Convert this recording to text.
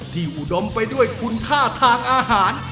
อุดมไปด้วยคุณค่าทางอาหาร